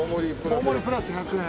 大盛りプラス１００円。